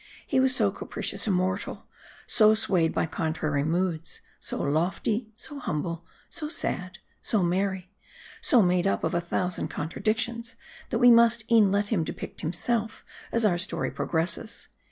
He was so capricious a mortal ; so swayed by contrary moods ; so lofty, so humble, so sad, so merry ; so made up of a thousand contradictions, that we must e'en let him depict himself as our story pro gresses.